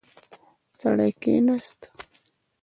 سړی کښیناست.